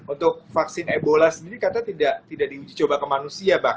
untuk vaksin ebola sendiri katanya tidak di uji coba ke manusia bahkan